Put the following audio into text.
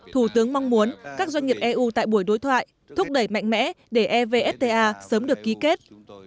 thủ tướng mong muốn các doanh nghiệp eu tại buổi đối thoại thúc đẩy mạnh mẽ để evfta sớm được ký kết